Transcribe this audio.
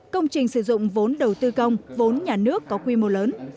công trình sử dụng vốn đầu tư công vốn nhà nước có quy mô lớn